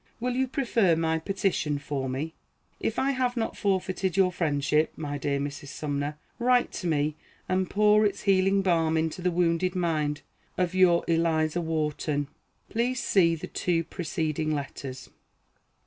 Will you prefer my petition for me? If I have not forfeited your friendship, my dear Mrs. Sumner, write to me, and pour its healing balm into the wounded mind of your ELIZA WHARTON. [Footnote A: See the two preceding letters.